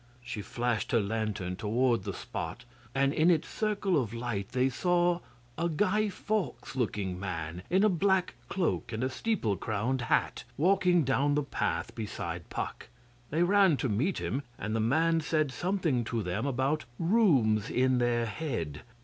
She flashed her lantern towards the spot, and in its circle of light they saw a Guy Fawkes looking man in a black cloak and a steeple crowned hat, walking down the path beside Puck. They ran to meet him, and the man said something to them about rooms in their head.